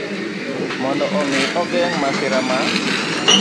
Mondo omi ogeng ' masira mar